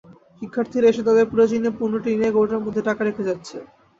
শিক্ষার্থীরা এসে তাদের প্রয়োজনীয় পণ্যটি নিয়ে কৌটার মধ্যে টাকা রেখে যাচ্ছে।